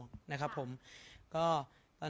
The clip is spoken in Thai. สงฆาตเจริญ